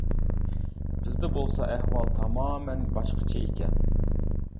بىزدە بولسا ئەھۋال تامامەن باشقىچە ئىكەن.